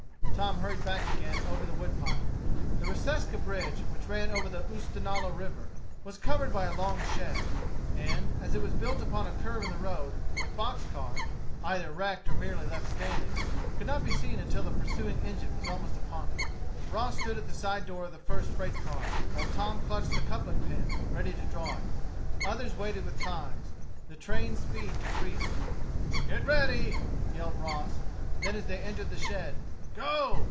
Tom hurried back again over the wood pile. The Reseca bridge which ran over the Oostenaula River was covered by a long shed. And, as it was built upon a curve in the road, a box car either wrecked or merely left standing could not be seen until the pursuing engine was almost upon it. Ross stood at the side door of the first freight car, while Tom clutched the coupling pin, ready to draw it. Others waited with ties. The train's speed decreased. "Get ready," yelled Ross; then, as they entered the shed, "Go!"